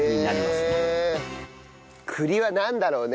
栗はなんだろうね？